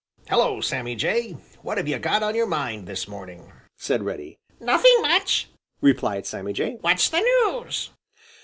"Hello, Sammy Jay! What have you got on your mind this morning?" said Reddy. "Nothing much," replied Sammy Jay. "What's the news?"